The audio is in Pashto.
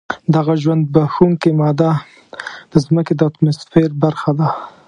دغه ژوند بښونکې ماده د ځمکې د اتموسفیر برخه ده.